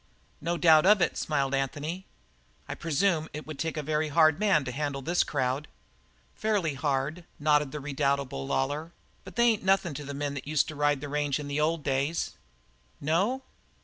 "No doubt of it," smiled Anthony. "I presume it would take a very hard man to handle this crowd." "Fairly hard," nodded the redoubtable Lawlor, "but they ain't nothin' to the men that used to ride the range in the old days." "No?"